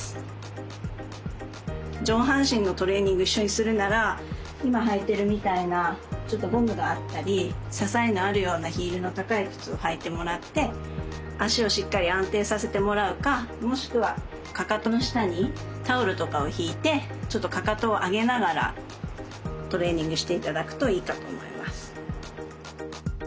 上半身のトレーニング一緒にするなら今履いてるみたいなちょっとゴムがあったり支えのあるようなヒールの高い靴を履いてもらって足をしっかり安定させてもらうかもしくはかかとの下にタオルとかをひいてちょっとかかとを上げながらトレーニングして頂くといいかと思います。